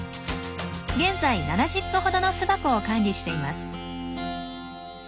現在７０個ほどの巣箱を管理しています。